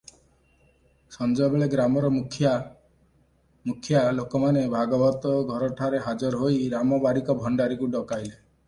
ସଞ୍ଜବେଳେ ଗ୍ରାମର ମୁଖିଆ ମୁଖିଆ ଲୋକମାନେ ଭାଗବତଘରଠାରେ ହାଜର ହୋଇ ରାମ ବାରିକ ଭଣ୍ଡାରିକୁ ଡକାଇଲେ ।